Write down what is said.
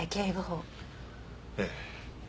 ええ。